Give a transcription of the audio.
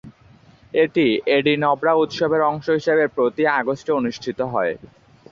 এটি এডিনবরা উৎসবের অংশ হিসেবে প্রতি আগস্টে অনুষ্ঠিত হয়।